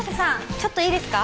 ちょっといいですか？